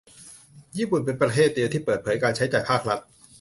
ญี่ปุ่นเป็นประเทศเดียวที่เปิดเผยการใช้จ่ายภาครัฐ